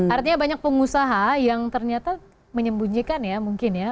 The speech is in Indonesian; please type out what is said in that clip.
artinya banyak pengusaha yang ternyata menyembunyikan ya mungkin ya